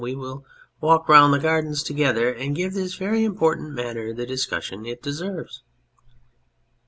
We will walk round the gardens together and give this very important matter the discussion it deserves.